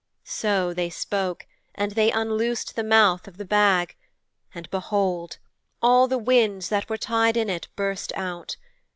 "' 'So they spoke, and they unloosed the mouth of the bag, and behold! all the winds that were tied in it burst out.